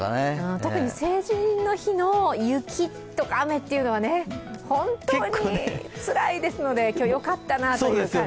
特に成人の日の雪とか雨っていうのは本当につらいですので、今日、よかったなという感じ。